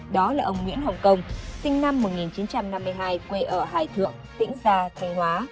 đó là ông nguyễn hồng công sinh năm một nghìn chín trăm năm mươi hai quê ở hải thượng tĩnh gia thanh hóa